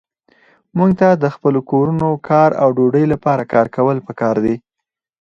موږ ته د خپلو کورونو، کار او ډوډۍ لپاره کار کول پکار دي.